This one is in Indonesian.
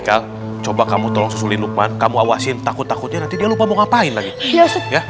kang coba kamu tolong susulin lukman kamu awasin takut takutnya nanti dia lupa mau ngapain lagi ya